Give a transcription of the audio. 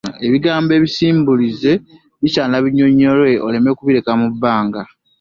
Ebigambo ebisimbulize bisaana binnyonnyolwe oleme kubireka mu bbanga.